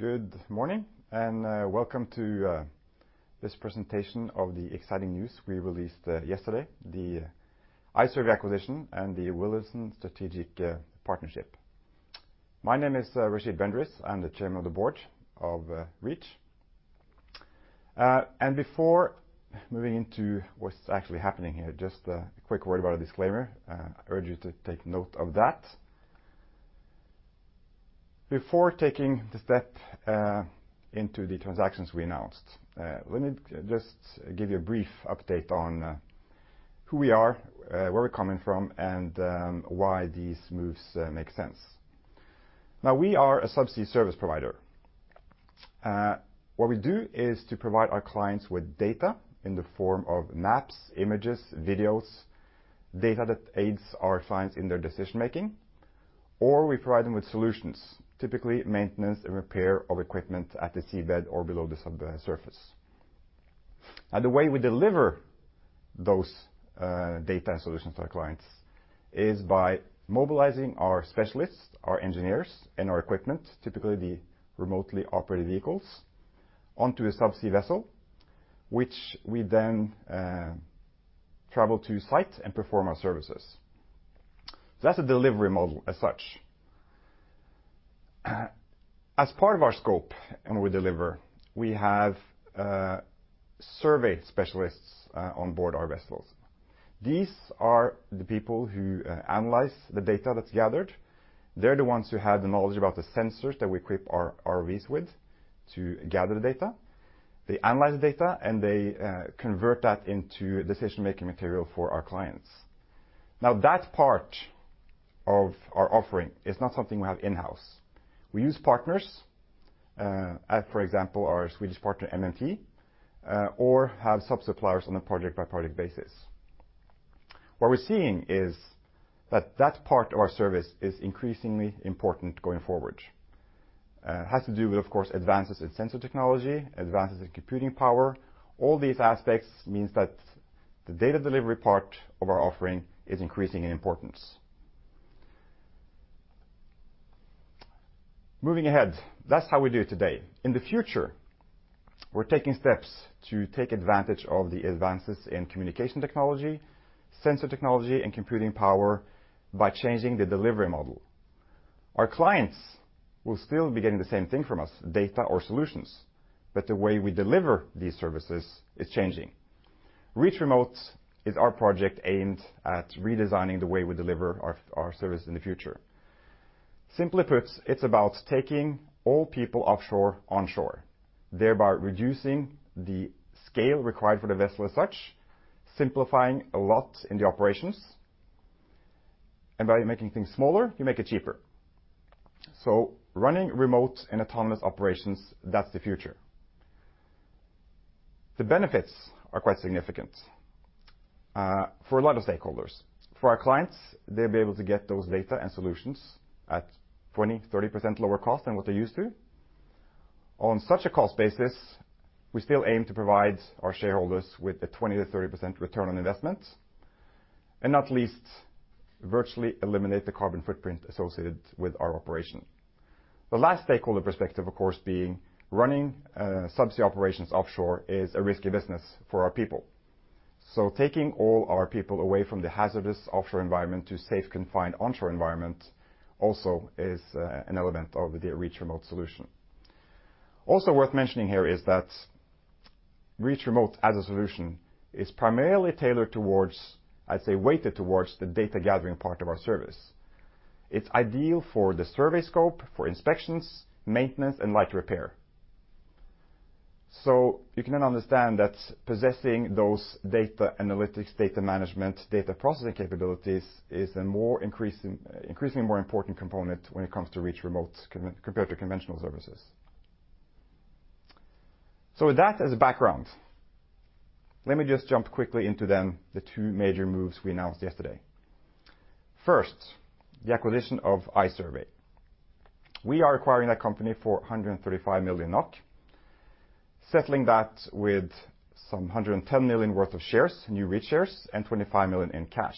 Good morning and welcome to this presentation of the exciting news we released yesterday, the iSURVEY acquisition and the Wilhelmsen strategic partnership. My name is Rachid Bendriss. I'm the Chairman of the Board of Reach. Before moving into what's actually happening here, just a quick word about a disclaimer. I urge you to take note of that. Before taking the step into the transactions we announced, let me just give you a brief update on who we are, where we're coming from, and why these moves make sense. Now, we are a subsea service provider. What we do is to provide our clients with data in the form of maps, images, videos, data that aids our clients in their decision-making, or we provide them with solutions, typically maintenance and repair of equipment at the seabed or below the subsurface. The way we deliver those data solutions to our clients is by mobilizing our specialists, our engineers, and our equipment, typically the remotely operated vehicles, onto a subsea vessel, which we then travel to site and perform our services. That's a delivery model as such. As part of our scope, we deliver. We have survey specialists on board our vessels. These are the people who analyze the data that's gathered. They're the ones who have the knowledge about the sensors that we equip our ROVs with to gather the data. They analyze the data, and they convert that into decision-making material for our clients. Now, that part of our offering is not something we have in-house. We use partners, like for example, our Swedish partner, MMT, or have sub-suppliers on a project-by-project basis. What we're seeing is that that part of our service is increasingly important going forward. It has to do with, of course, advances in sensor technology, advances in computing power. All these aspects means that the data delivery part of our offering is increasing in importance. Moving ahead, that's how we do it today. In the future, we're taking steps to take advantage of the advances in communication technology, sensor technology, and computing power by changing the delivery model. Our clients will still be getting the same thing from us, data or solutions, but the way we deliver these services is changing. Reach Remote is our project aimed at redesigning the way we deliver our service in the future. Simply put, it's about taking all people offshore onshore, thereby reducing the scale required for the vessel as such, simplifying a lot in the operations. By making things smaller, you make it cheaper. Running remote and autonomous operations, that's the future. The benefits are quite significant for a lot of stakeholders. For our clients, they'll be able to get those data and solutions at 20%-30% lower cost than what they're used to. On such a cost basis, we still aim to provide our shareholders with a 20%-30% return on investment, and not least, virtually eliminate the carbon footprint associated with our operation. The last stakeholder perspective, of course, being running subsea operations offshore is a risky business for our people. Taking all our people away from the hazardous offshore environment to safe confined onshore environment also is an element of the Reach Remote solution. Also worth mentioning here is that Reach Remote as a solution is primarily tailored towards, I'd say, weighted towards the data gathering part of our service. It's ideal for the survey scope, for inspections, maintenance, and light repair. You can understand that possessing those data analytics, data management, data processing capabilities is increasingly more important component when it comes to Reach Remote compared to conventional services. With that as a background, let me just jump quickly into then the two major moves we announced yesterday. First, the acquisition of iSURVEY. We are acquiring that company for 135 million NOK, settling that with some 110 million worth of shares, new Reach shares, and 25 million in cash.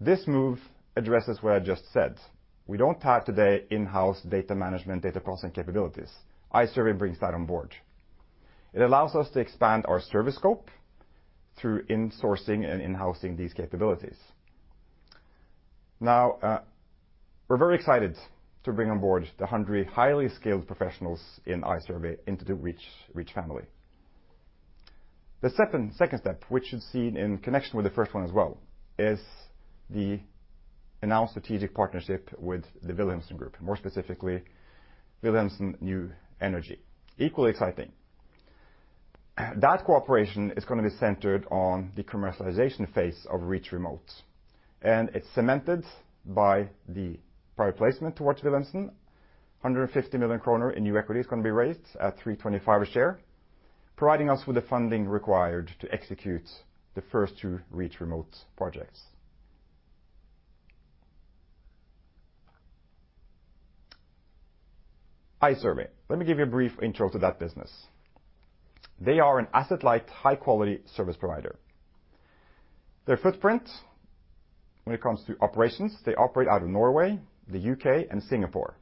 This move addresses what I just said. We don't have today in-house data management, data processing capabilities. iSURVEY brings that on board. It allows us to expand our service scope through insourcing and in-housing these capabilities. Now, we're very excited to bring on board the 100 highly skilled professionals in iSURVEY into the Reach family. The second step, which is seen in connection with the first one as well, is the announced strategic partnership with the Wilhelmsen Group, more specifically, Wilhelmsen New Energy. Equally exciting. That cooperation is gonna be centered on the commercialization phase of Reach Remote. It's cemented by the private placement towards Wilhelmsen. 150 million kroner in new equity is gonna be raised at 3.25 a share, providing us with the funding required to execute the first two Reach Remote projects. iSURVEY. Let me give you a brief intro to that business. They are an asset-light, high-quality service provider. Their footprint when it comes to operations, they operate out of Norway, the U.K., and Singapore.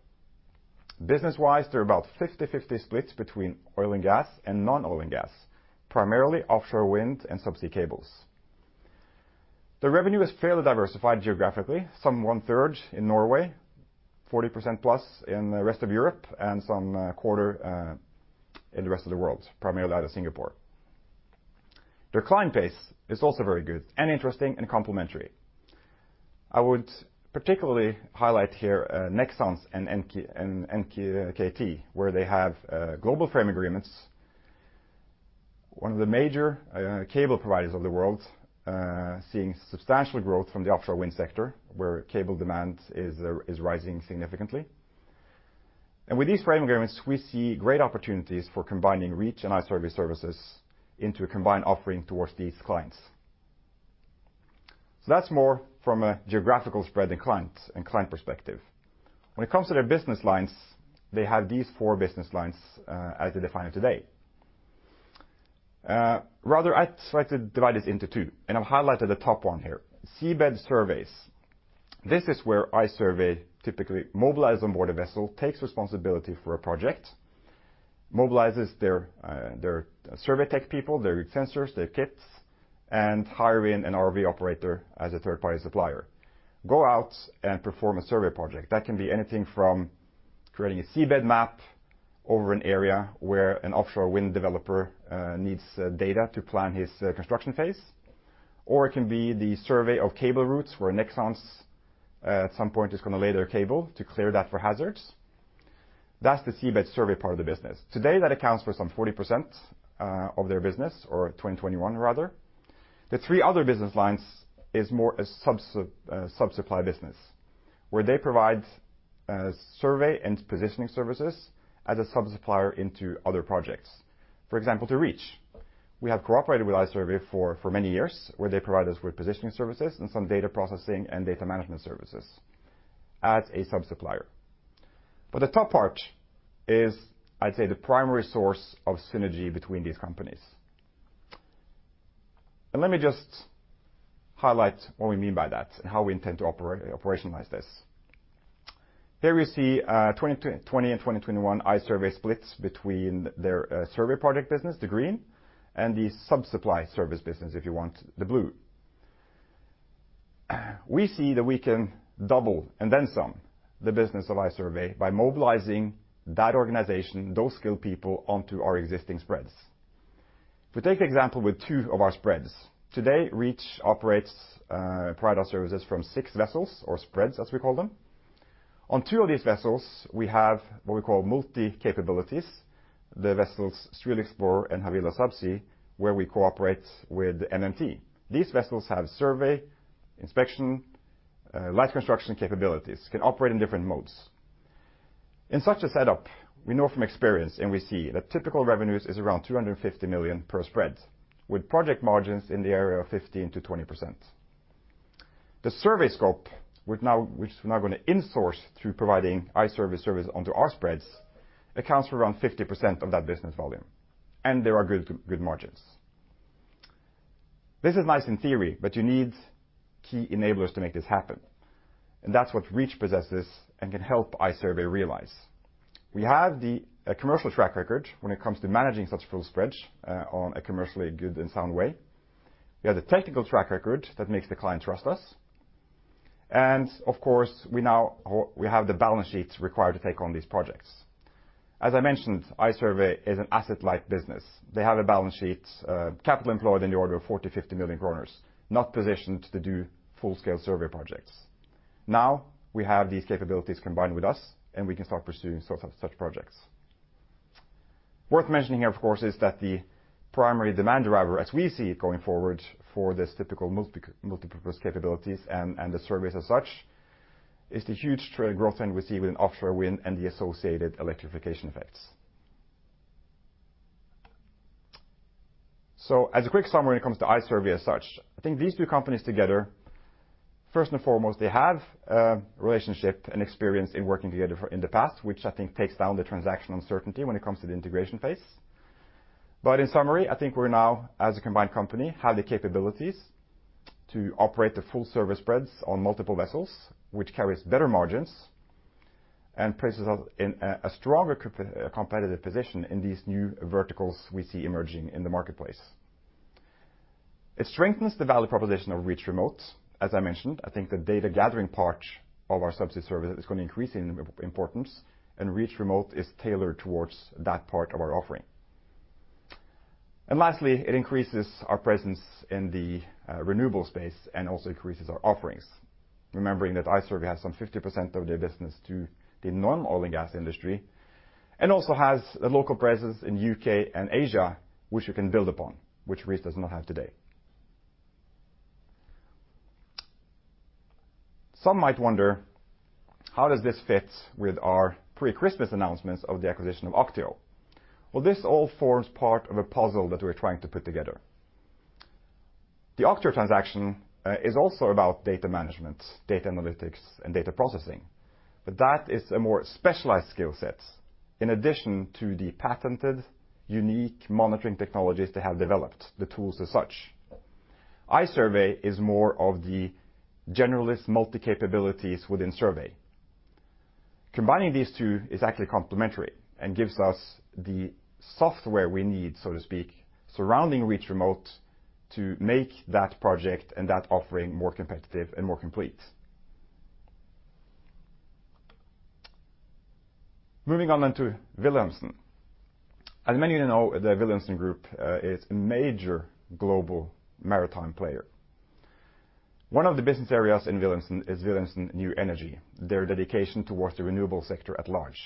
Business-wise, they're about 50/50 split between oil and gas and non-oil and gas, primarily offshore wind and subsea cables. The revenue is fairly diversified geographically. Some 1/3 in Norway, +40% in the rest of Europe, and some 1/4 in the rest of the world, primarily out of Singapore. Their client base is also very good and interesting and complementary. I would particularly highlight here Nexans and NKT, where they have global frame agreements. One of the major cable providers of the world seeing substantial growth from the offshore wind sector where cable demand is rising significantly. With these frame agreements, we see great opportunities for combining Reach and iSURVEY services into a combined offering towards these clients. That's more from a geographical spread and client perspective. When it comes to their business lines, they have these four business lines as they define it today. Rather I'd like to divide this into two and I've highlighted the top one here. Seabed surveys. This is where iSURVEY typically mobilize on board a vessel, takes responsibility for a project, mobilizes their survey tech people, their sensors, their kits, and hire in an ROV operator as a third-party supplier, go out and perform a survey project. That can be anything from creating a seabed map over an area where an offshore wind developer needs data to plan his construction phase. Or it can be the survey of cable routes where Nexans at some point is gonna lay their cable to clear that for hazards. That's the seabed survey part of the business. Today, that accounts for some 40% of their business or 2021 rather. The three other business lines is more a sub-supplier business, where they provide survey and positioning services as a sub-supplier into other projects, for example, to Reach. We have cooperated with iSURVEY for many years, where they provide us with positioning services and some data processing and data management services as a sub-supplier. But the top part is, I'd say, the primary source of synergy between these companies. Let me just highlight what we mean by that and how we intend to operationalize this. Here we see 2020 and 2021 iSURVEY splits between their survey project business, the green, and the sub-supply service business, if you want, the blue. We see that we can double and then some the business of iSURVEY by mobilizing that organization, those skilled people onto our existing spreads. If we take an example with two of our spreads. Today, Reach provides services from six vessels or spreads, as we call them. On two of these vessels, we have what we call multi-capabilities. The vessels, Stril Explorer and Havila Subsea, where we cooperate with MMT. These vessels have survey, inspection, light construction capabilities, can operate in different modes. In such a setup, we know from experience and we see that typical revenues is around 250 million per spread, with project margins in the area of 15%-20%. The survey scope, which we're now gonna insource through providing iSURVEY service onto our spreads, accounts for around 50% of that business volume, and there are good margins. This is nice in theory, but you need key enablers to make this happen. That's what Reach possesses and can help iSURVEY realize. We have the commercial track record when it comes to managing such full spreads on a commercially good and sound way. We have the technical track record that makes the client trust us. Of course, we have the balance sheets required to take on these projects. As I mentioned, iSURVEY is an asset-light business. They have a balance sheet, capital employed in the order of 40 million-50 million kroner, not positioned to do full-scale survey projects. Now, we have these capabilities combined with us, and we can start pursuing sort of such projects. Worth mentioning here, of course, is that the primary demand driver, as we see it going forward for this typical multipurpose capabilities and the surveys as such, is the huge trade growth and we see with offshore wind and the associated electrification effects. As a quick summary when it comes to iSURVEY as such, I think these two companies together, first and foremost, they have a relationship and experience in working together in the past, which I think takes down the transaction uncertainty when it comes to the integration phase. In summary, I think we're now, as a combined company, have the capabilities to operate the full service spreads on multiple vessels, which carries better margins and places us in a stronger competitive position in these new verticals we see emerging in the marketplace. It strengthens the value proposition of Reach Remote. As I mentioned, I think the data gathering part of our subsea service is gonna increase in importance, and Reach Remote is tailored towards that part of our offering. Lastly, it increases our presence in the renewable space and also increases our offerings. Remembering that iSURVEY has some 50% of their business to the non-oil and gas industry, and also has a local presence in U.K. and Asia, which we can build upon, which Reach does not have today. Some might wonder, how does this fit with our pre-Christmas announcements of the acquisition of OCTIO? Well, this all forms part of a puzzle that we're trying to put together. The OCTIO transaction is also about data management, data analytics, and data processing. But that is a more specialized skill sets in addition to the patented unique monitoring technologies they have developed, the tools as such. iSURVEY is more of the generalist multi-capabilities within survey. Combining these two is actually complementary and gives us the software we need, so to speak, surrounding Reach Remote to make that project and that offering more competitive and more complete. Moving on then to Wilhelmsen. As many of you know, the Wilhelmsen Group is a major global maritime player. One of the business areas in Wilhelmsen is Wilhelmsen New Energy, their dedication towards the renewable sector at large.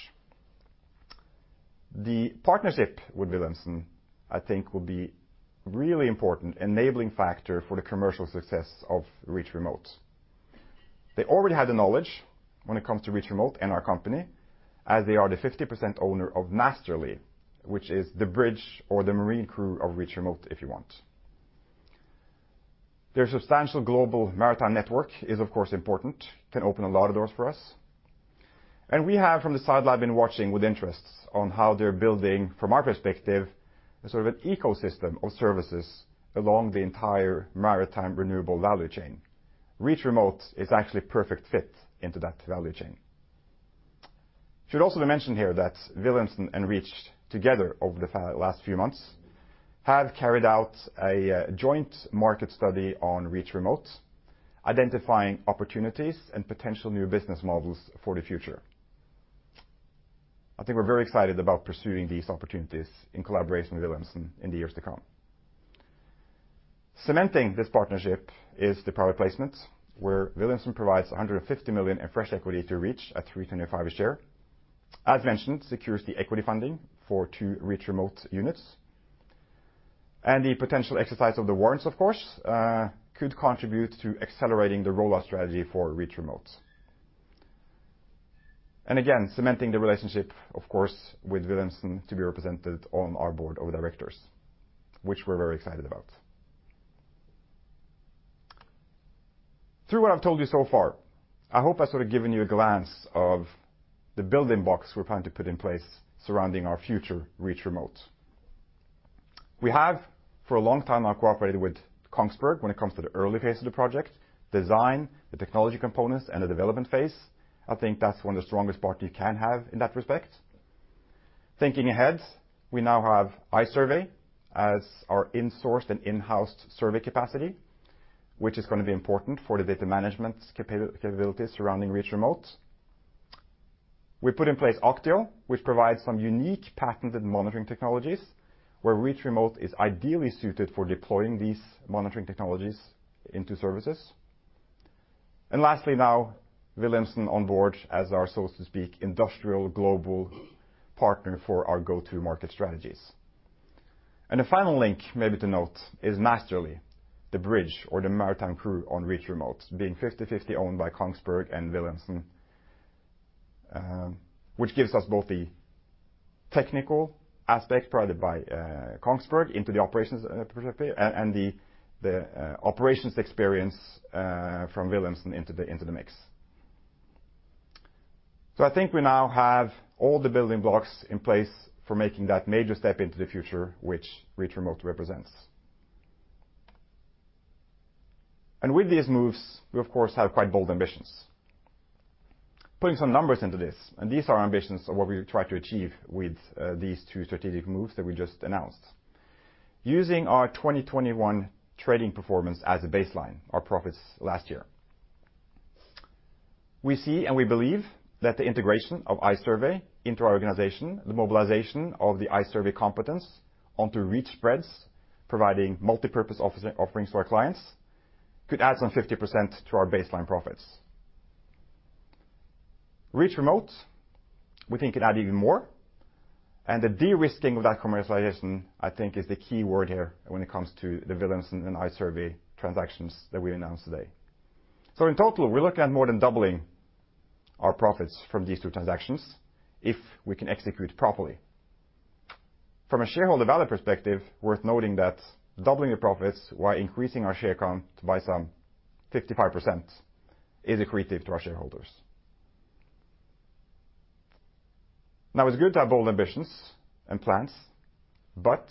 The partnership with Wilhelmsen, I think, will be really important enabling factor for the commercial success of Reach Remote. They already had the knowledge when it comes to Reach Remote and our company, as they are the 50% owner of Massterly, which is the bridge, or the marine crew of Reach Remote, if you want. Their substantial global maritime network is, of course, important. It can open a lot of doors for us. We have, from the sideline, been watching with interest on how they're building, from our perspective, a sort of an ecosystem of services along the entire maritime renewable value chain. Reach Remote is actually perfect fit into that value chain. Should also be mentioned here that Wilhelmsen and Reach together over the last few months have carried out a joint market study on Reach Remote, identifying opportunities and potential new business models for the future. I think we're very excited about pursuing these opportunities in collaboration with Wilhelmsen in the years to come. Cementing this partnership is the private placement where Wilhelmsen provides 150 million in fresh equity to Reach at 3.25 a share. As mentioned, it secures the equity funding for two Reach Remote units. The potential exercise of the warrants, of course, could contribute to accelerating the rollout strategy for Reach Remote. Again, cementing the relationship, of course, with Wilhelmsen to be represented on our board of directors, which we're very excited about. Through what I've told you so far, I hope I've sort of given you a glimpse of the building blocks we're planning to put in place surrounding our future Reach Remote. We have, for a long time now, cooperated with Kongsberg when it comes to the early phase of the project, design, the technology components, and the development phase. I think that's one of the strongest partner you can have in that respect. Thinking ahead, we now have iSURVEY as our insourced and in-house survey capacity, which is gonna be important for the data management capabilities surrounding Reach Remote. We put in place OCTIO, which provides some unique patented monitoring technologies, where Reach Remote is ideally suited for deploying these monitoring technologies into services. Lastly now, Wilhelmsen on board as our, so to speak, industrial global partner for our go-to market strategies. The final link maybe to note is Massterly, the bridge or the maritime crew on Reach Remote being 50/50 owned by Kongsberg and Wilhelmsen, which gives us both the technical aspect provided by Kongsberg into the operations perspective and the operations experience from Wilhelmsen into the mix. I think we now have all the building blocks in place for making that major step into the future which Reach Remote represents. With these moves, we of course have quite bold ambitions. Putting some numbers into this, these are ambitions of what we try to achieve with these two strategic moves that we just announced. Using our 2021 trading performance as a baseline, our profits last year, we see and we believe that the integration of iSURVEY into our organization, the mobilization of the iSURVEY competence onto Reach vessels, providing multipurpose offshore offerings to our clients, could add some 50% to our baseline profits. Reach Remote, we think, can add even more. The de-risking of that commercialization, I think, is the key word here when it comes to the Wilhelmsen and iSURVEY transactions that we announced today. In total, we're looking at more than doubling our profits from these two transactions if we can execute properly. From a shareholder value perspective, it's worth noting that doubling the profits while increasing our share count by some 55% is accretive to our shareholders. Now, it's good to have bold ambitions and plans, but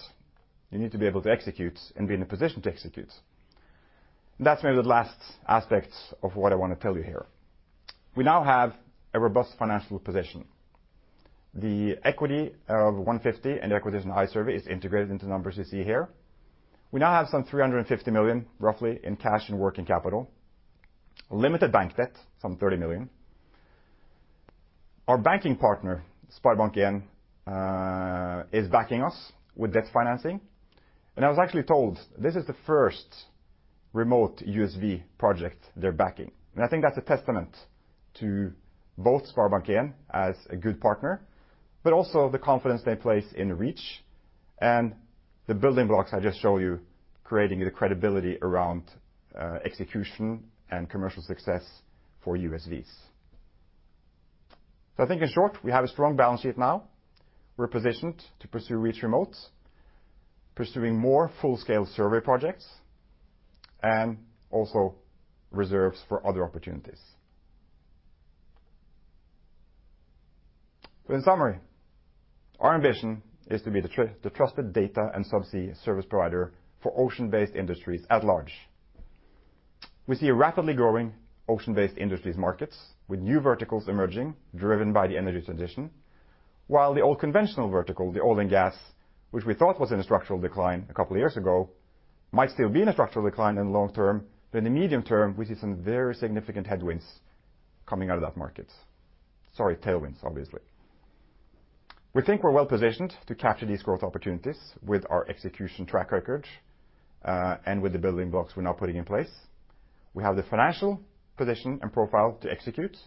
you need to be able to execute and be in a position to execute. That's maybe the last aspect of what I wanna tell you here. We now have a robust financial position. The equity of 150 million and the acquisition of iSURVEY is integrated into the numbers you see here. We now have some 350 million, roughly, in cash and working capital. Limited bank debt, some 30 million. Our banking partner, SpareBank 1, is backing us with debt financing. I was actually told this is the first remote USV project they're backing. I think that's a testament to both SpareBank 1 as a good partner, but also the confidence they place in Reach and the building blocks I just showed you creating the credibility around execution and commercial success for USVs. I think in short, we have a strong balance sheet now. We're positioned to pursue Reach Remote, pursuing more full-scale survey projects, also reserves for other opportunities. In summary, our ambition is to be the the trusted data and subsea service provider for ocean-based industries at large. We see a rapidly growing ocean-based industries markets with new verticals emerging, driven by the energy transition. While the old conventional vertical, the oil and gas, which we thought was in a structural decline a couple years ago, might still be in a structural decline in long term, but in the medium term, we see some very significant headwinds coming out of that market. Sorry, tailwinds, obviously. We think we're well-positioned to capture these growth opportunities with our execution track record, and with the building blocks we're now putting in place. We have the financial position and profile to execute.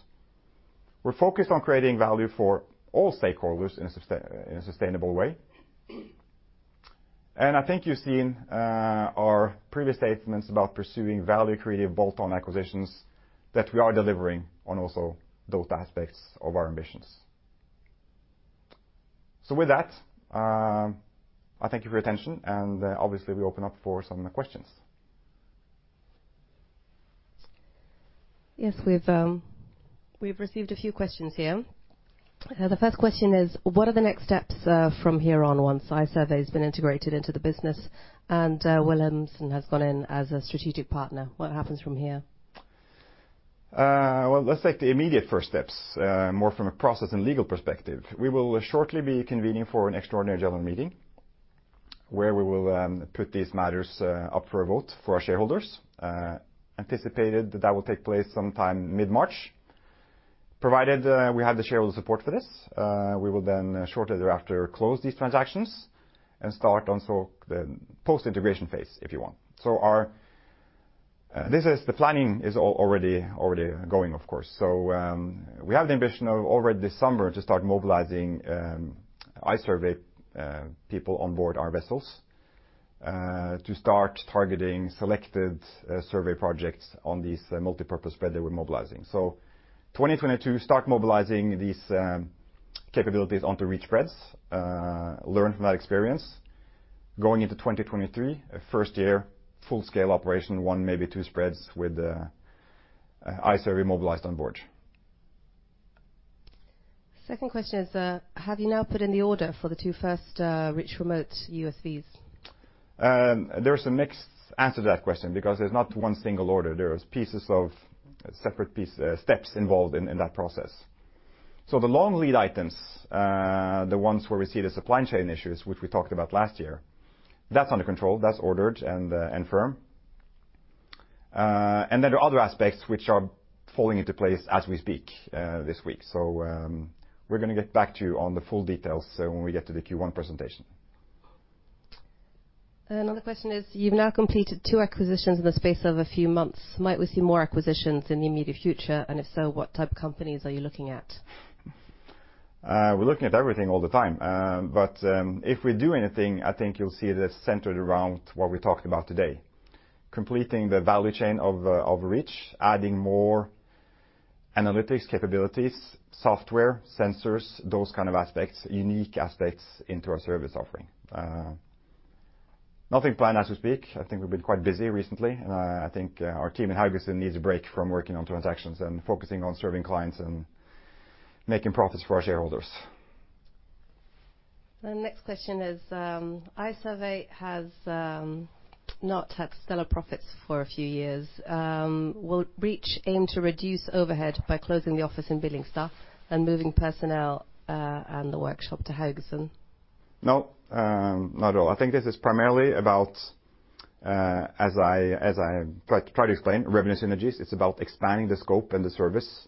We're focused on creating value for all stakeholders in a sustainable way. I think you've seen our previous statements about pursuing value-creative bolt-on acquisitions that we are delivering on also those aspects of our ambitions. With that, I thank you for your attention, and obviously we open up for some of the questions. Yes. We've received a few questions here. The first question is, what are the next steps from here on once iSURVEY's been integrated into the business and Wilhelmsen has gone in as a strategic partner? What happens from here? Well, let's take the immediate first steps more from a process and legal perspective. We will shortly be convening for an extraordinary general meeting where we will put these matters up for a vote for our shareholders. It's anticipated that it will take place sometime mid-March. Provided we have the shareholder support for this, we will then shortly thereafter close these transactions and start the post-integration phase, if you want. Our planning is already going of course. We have the ambition to already this summer start mobilizing iSURVEY people onboard our vessels to start targeting selected survey projects on these multipurpose spreads that we're mobilizing. In 2022 start mobilizing these capabilities onto Reach spreads. Learn from that experience. Going into 2023, first year full scale operation, one, maybe two spreads with iSURVEY mobilized on board. Second question is, have you now put in the order for the two first Reach Remote USVs? There is a mixed answer to that question because there's not one single order. There are separate pieces, steps involved in that process. The long lead items, the ones where we see the supply chain issues which we talked about last year, that's under control. That's ordered and firm. There are other aspects which are falling into place as we speak, this week. We're gonna get back to you on the full details when we get to the Q1 presentation. Another question is: You've now completed two acquisitions in the space of a few months. Might we see more acquisitions in the immediate future? And if so, what type of companies are you looking at? We're looking at everything all the time. If we do anything, I think you'll see it is centered around what we talked about today, completing the value chain of Reach, adding more analytics capabilities, software, sensors, those kind of aspects, unique aspects into our service offering. Nothing planned as we speak. I think we've been quite busy recently. I think our team in Haugesund needs a break from working on transactions and focusing on serving clients and making profits for our shareholders. The next question is, iSURVEY has not had stellar profits for a few years. Will Reach aim to reduce overhead by closing the office and billing staff and moving personnel, and the workshop to Haugesund? No. Not at all. I think this is primarily about, as I try to explain, revenue synergies. It's about expanding the scope and the service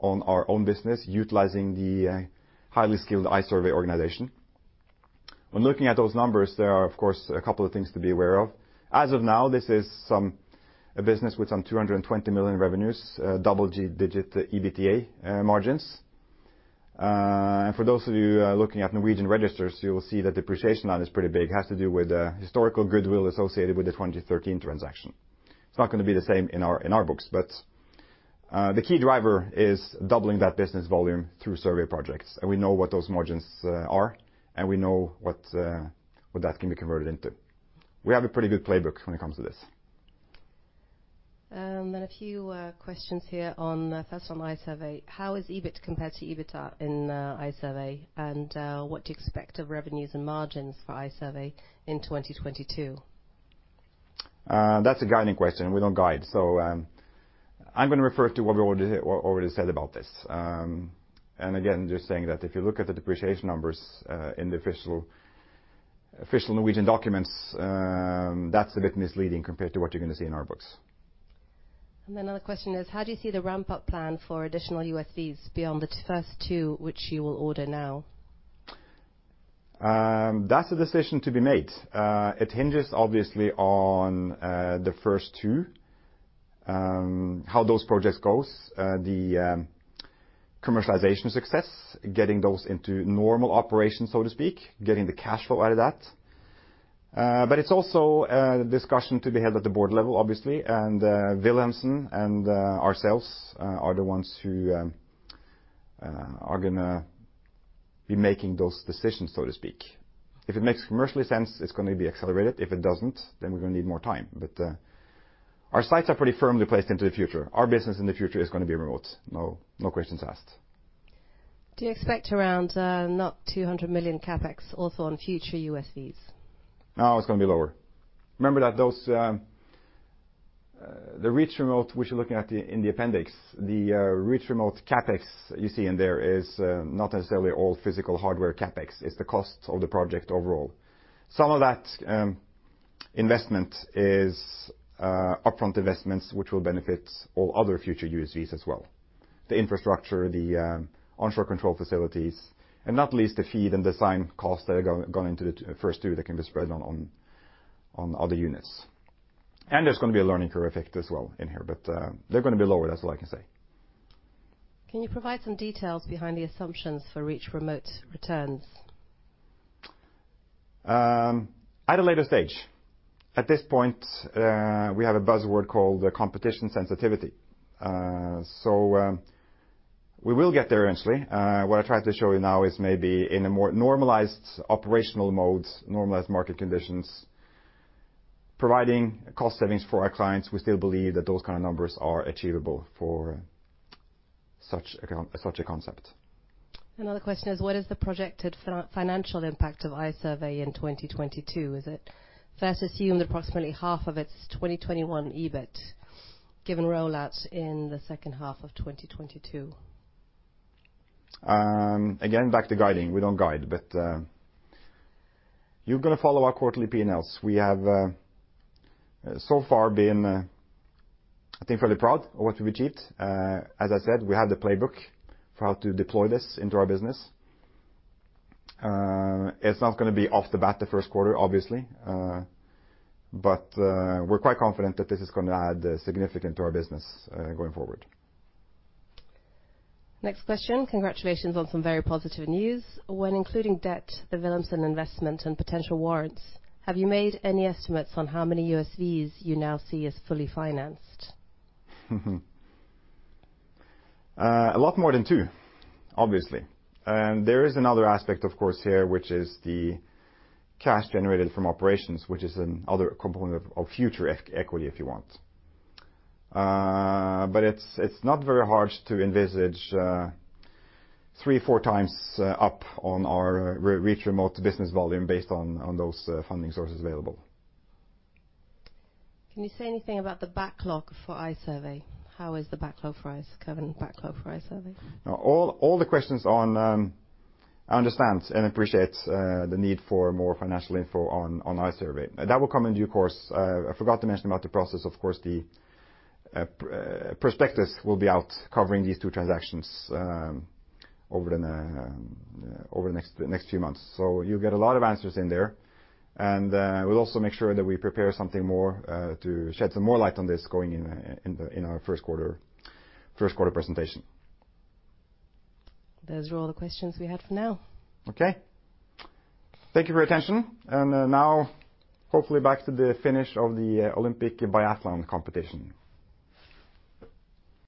on our own business, utilizing the highly skilled iSURVEY organization. When looking at those numbers, there are, of course, a couple of things to be aware of. As of now, this is a business with 220 million revenues, double-digit EBITDA margins. And for those of you looking at Norwegian registers, you will see that depreciation on this is pretty big. Has to do with historical goodwill associated with the 2013 transaction. It's not gonna be the same in our books. The key driver is doubling that business volume through survey projects. We know what those margins are, and we know what that can be converted into. We have a pretty good playbook when it comes to this. A few questions here on first on iSURVEY. How is EBIT compared to EBITDA in iSURVEY? What do you expect of revenues and margins for iSURVEY in 2022? That's a guiding question. We don't guide. I'm gonna refer to what we already said about this. Again, just saying that if you look at the depreciation numbers in the official Norwegian documents, that's a bit misleading compared to what you're gonna see in our books. Another question is: How do you see the ramp-up plan for additional USVs beyond the first two which you will order now? That's a decision to be made. It hinges obviously on the first two, how those projects goes, the commercialization success, getting those into normal operation, so to speak, getting the cash flow out of that. It's also a discussion to be had at the board level, obviously. Wilhelmsen and ourselves are the ones who are gonna be making those decisions, so to speak. If it makes commercially sense, it's gonna be accelerated. If it doesn't, we're gonna need more time. Our sights are pretty firmly placed into the future. Our business in the future is gonna be remote, no questions asked. Do you expect around not 200 million CapEx also on future USVs? No, it's gonna be lower. Remember that those, the Reach Remote which you're looking at in the appendix, the Reach Remote CapEx you see in there is not necessarily all physical hardware CapEx. It's the cost of the project overall. Some of that investment is upfront investments which will benefit all other future USVs as well. The infrastructure, the onshore control facilities, and not least the feed and design costs that have gone into the first two that can be spread on other units. There's gonna be a learning curve effect as well in here. They're gonna be lower. That's all I can say. Can you provide some details behind the assumptions for Reach Remote returns? At a later stage. At this point, we have a buzzword called the competition sensitivity. We will get there eventually. What I tried to show you now is maybe in a more normalized operational mode, normalized market conditions, providing cost savings for our clients, we still believe that those kind of numbers are achievable for such a concept. Another question is, what is the projected financial impact of iSURVEY in 2022? Is it fair to assume that approximately half of its 2021 EBIT, given rollout in the second half of 2022? Again, back to guiding. We don't guide, but you're gonna follow our quarterly P&Ls. We have so far been, I think fairly proud of what we achieved. As I said, we have the playbook for how to deploy this into our business. It's not gonna be off the bat the first quarter, obviously. We're quite confident that this is gonna add significant to our business going forward. Next question. Congratulations on some very positive news. When including debt, the Wilhelmsen investment, and potential warrants, have you made any estimates on how many USVs you now see as fully financed? A lot more than two, obviously. There is another aspect, of course, here, which is the cash generated from operations, which is another component of future equity, if you want. But it's not very hard to envisage 3-4x up on our Reach Remote business volume based on those funding sources available. Can you say anything about the backlog for iSURVEY? How is the backlog for iSURVEY, current backlog for iSURVEY? All the questions on iSURVEY, I understand and appreciate the need for more financial info on iSURVEY. That will come in due course. I forgot to mention about the process. Of course, the prospectus will be out covering these two transactions over the next few months. You'll get a lot of answers in there. We'll also make sure that we prepare something more to shed some more light on this going in our first quarter presentation. Those are all the questions we have for now. Okay. Thank you for your attention. Now, hopefully back to the finish of the Olympic biathlon competition.